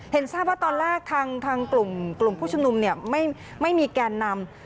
เห็นทราบว่าตอนแรกทางกลุ่มผู้ชมนุมไม่มีแกนนำ